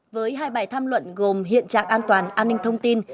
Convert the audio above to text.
với hai bài tham luận gồm hiện trạng an toàn an ninh thông tin